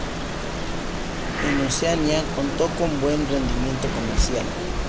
En Oceanía, contó con buen rendimiento comercial.